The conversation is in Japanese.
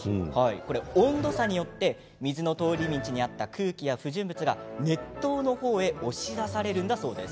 温度差によって水の通り道にあった空気や不純物が熱湯へ押し出されるんだそうです。